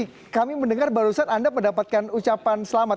pak sutar miji kami mendengar barusan anda mendapatkan ucapan selamat